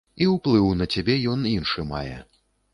І ўплыў на цябе ён іншы мае.